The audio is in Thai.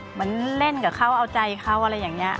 เหมือนเล่นกับเขาเอาใจเขาอะไรอย่างนี้